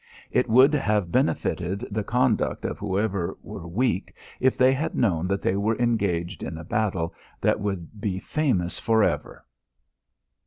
It would have benefited the conduct of whoever were weak if they had known that they were engaged in a battle that would be famous for ever.